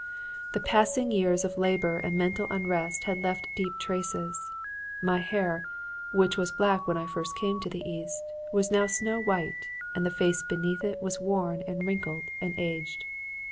The passing years of labor and mental unrest had left deep traces. My hair, which was black when I first came to the east, was now snow white and the face beneath it was worn and wrinkled and aged.